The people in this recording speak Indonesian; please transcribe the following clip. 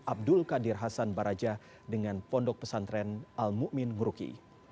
abdul qadir hasan baraja dengan pondok pesantren al mu'min nguruki